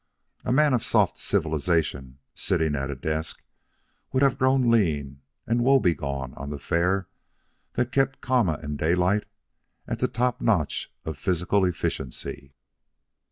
A man of soft civilization, sitting at a desk, would have grown lean and woe begone on the fare that kept Kama and Daylight at the top notch of physical efficiency.